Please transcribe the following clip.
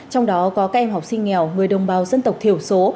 trong đó có các em học sinh nghèo người đồng bào dân tộc thiểu số